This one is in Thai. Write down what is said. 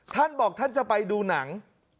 ท่านบอกท่านจะไปดูหนัง